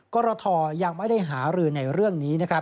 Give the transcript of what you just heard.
กรทยังไม่ได้หารือในเรื่องนี้